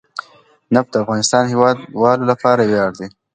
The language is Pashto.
نفت د افغانستان د هیوادوالو لپاره ویاړ دی.